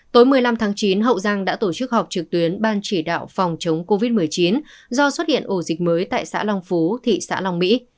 tối một mươi năm tháng chín hậu giang đã tổ chức họp trực tuyến ban chỉ đạo phòng chống covid một mươi chín do xuất hiện ổ dịch mới tại xã long phú thị xã long mỹ